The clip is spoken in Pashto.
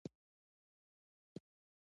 د نارينه نظام بنسټونه لړزانده کوي